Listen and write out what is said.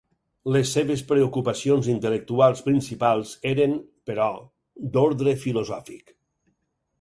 Les seves preocupacions intel·lectuals principals eren, però, d'ordre filosòfic.